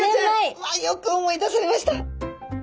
よく思い出されました！